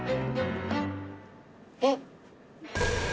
えっ。